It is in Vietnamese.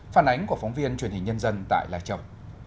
phản ánh của phóng viên truyền hình nhân dân tại lai châu